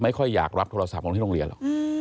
ไม่ค่อยอยากรับโทรศัพท์ของที่โรงเรียนหรอก